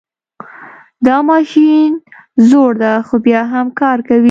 دا ماشین زوړ ده خو بیا هم کار کوي